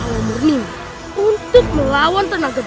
fakta fakta dream untuk residensi